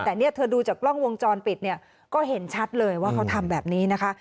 แต่เนี่ยเธอดูจากกล้องวงจรปิดเนี่ยก็เห็นชัดเลยว่าเขาทำแบบนี้นะคะ